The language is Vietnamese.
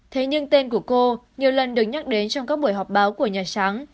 thế nhưng tên của cô nhiều lần được nhắc đến trong các buổi họp báo của nhà trắng